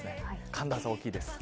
寒暖差、大きいです。